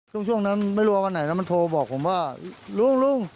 ช่วงนั้นไม่รู้ว่าวันไหนแล้วมันโทรบอกผมว่าลุงลุง